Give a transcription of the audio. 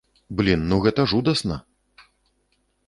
Блін, ну гэта жудасна!